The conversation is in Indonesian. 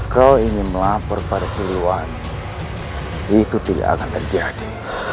kau ingin melaporkan siluannya itu tidak akan terjadi